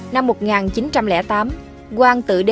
năm một nghìn chín trăm linh tám quang tự đế